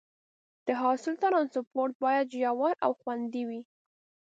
د حاصل ټرانسپورټ باید ژر او خوندي وي.